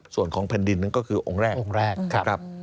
ส่วนของแผ่นดินนั้นก็คือองค์แรก